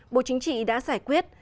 bộ chính trị đã giải quyết